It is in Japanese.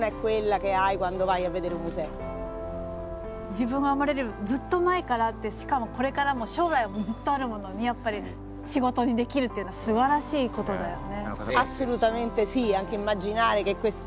自分が生まれるずっと前からあってしかもこれからも将来もずっとあるものにやっぱり仕事にできるっていうのはすばらしいことだよね。